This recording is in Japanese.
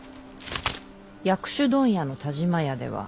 薬種問屋の田嶋屋では。